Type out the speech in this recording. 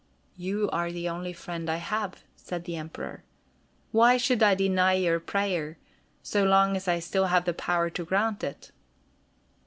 "You are the only friend I have," said the Emperor. "Why should I deny your prayer, so long as I still have the power to grant it."